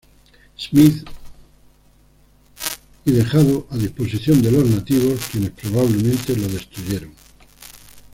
Smith y dejado a disposición de los nativos quienes probablemente lo destruyeron.